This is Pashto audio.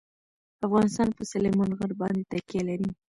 افغانستان په سلیمان غر باندې تکیه لري.